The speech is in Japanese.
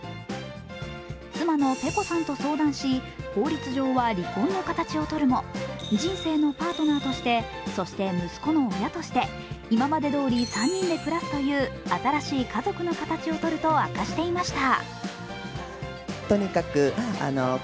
妻のｐｅｋｏさんと相談し、法律上は離婚の形をとるも人生のパートナーとして、そして息子の親として、今までどおり３人で暮らすという新しい家族の形をとると明らかにしていました。